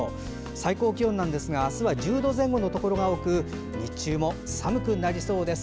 最高気温は明日は１０度前後のところが多く日中も寒くなりそうです。